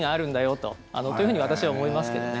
というふうに私は思いますけどね。